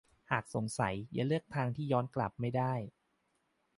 หากสงสัยอย่าเลือกทางที่ย้อนกลับไม่ได้